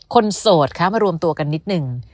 โสดคะมารวมตัวกันนิดนึง